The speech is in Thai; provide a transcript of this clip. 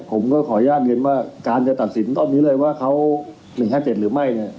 ผมก็ขออนุญาตเรียนว่าการจะตัดสินตอนนี้เลยว่าเขา๑๕๗หรือไม่เนี่ย